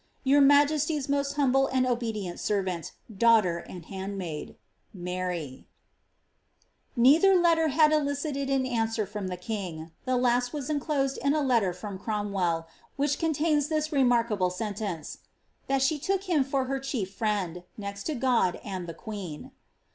■• Tour inajeaiy'a most humble and obedient servant, daiightei, ami hanil "Msar " Neilher letter had elicited an answer from the king; the last was en closed ill a letter frora Cromwell, which contains this remarkable sen tence :•'■ That she took him for her chief friend, neil to God niid ihu fMCn."